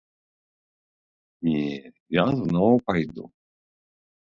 Не, я зноў пайду.